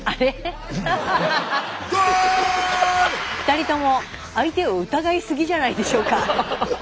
２人とも相手を疑いすぎじゃないでしょうか。